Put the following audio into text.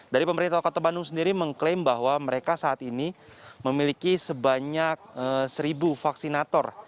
dari pemerintah kota bandung sendiri mengklaim bahwa mereka saat ini memiliki sebanyak seribu vaksinator